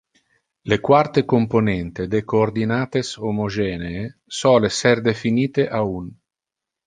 Le quarte componente de coordinates homogenee sole ser definite a un.